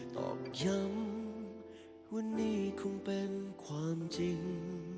ตอกย้ำวันนี้คงเป็นความจริง